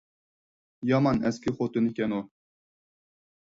يامان ئەسكى خوتۇنكەن ئۇ!